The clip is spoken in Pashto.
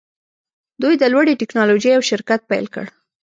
دوی د لوړې ټیکنالوژۍ یو شرکت پیل کړ